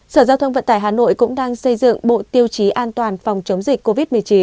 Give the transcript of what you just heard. sở giao thông vận tải hà nội cũng đang xây dựng bộ tiêu chí an toàn phòng chống dịch covid một mươi chín